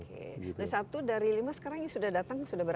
oke dan satu dari lima sekarang ini sudah datang sudah berapa